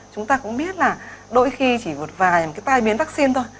chúng ta cũng biết là đôi khi chỉ một vài cái tai biến vaccine thôi